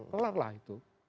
kelar lah itu